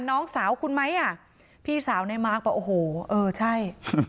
น้องสาวคุณไหมอ่ะพี่สาวในมาร์คบอกโอ้โหเออใช่